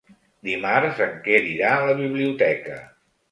Dimarts en Quer irà a la biblioteca.